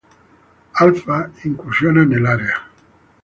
Alpha" incursionan en el área.